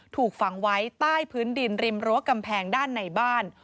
ถูกฝังไว้ใต้พื้นดินริมรั้วกำแพงด้านในบ้าน